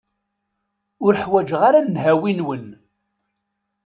Ur ḥwaǧeɣ ara nnhawi-nwen.